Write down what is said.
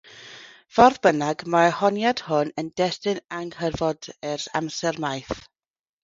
Fodd bynnag, mae'r honiad hwn yn destun anghydfod ers amser maith.